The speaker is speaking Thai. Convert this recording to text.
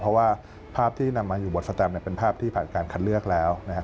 เพราะว่าภาพที่นำมาอยู่บทสแตมเป็นภาพที่ผ่านการคัดเลือกแล้วนะครับ